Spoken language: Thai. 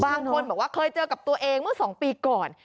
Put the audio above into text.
บางคนบอกว่าเคยเจอกับตัวเองเมื่อ๒ปีก่อน